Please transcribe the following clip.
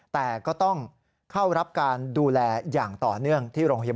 แต่ก็ต้องเข้ารับการดูแลอย่างต่อเนื่อง